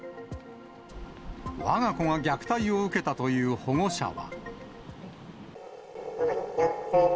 わが子が虐待を受けたという保護者は。